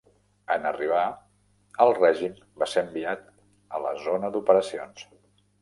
En arribar, el règim va ser enviat a la zona d'operacions.